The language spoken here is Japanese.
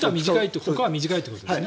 ほかは短いということですね。